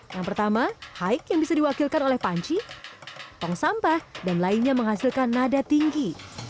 yang pertama high yang bisa diwakilkan oleh panci tong sampah dan lainnya menghasilkan nada tinggi